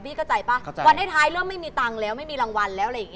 วันท้ายเรื่องไม่มีตังค์แล้วไม่มีรางวัลแล้ว